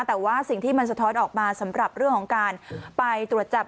แต่ว่าสิ่งที่มันสะท้อนออกมาสำหรับเรื่องของการไปตรวจจับ